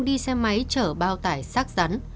đi xe máy chở bao tải sát rắn